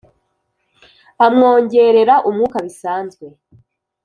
amwongerera umwuka. bisanzwe